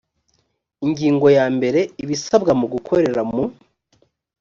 ingingo ya mbere ibisabwa mu gukorera mu